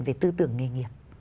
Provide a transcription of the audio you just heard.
cái tư tưởng nghề nghiệp